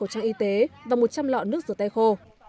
hàng y tế và một trăm linh lọ nước rửa tay khô